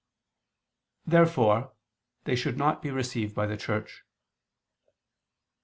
Therefore they should not be received by the Church.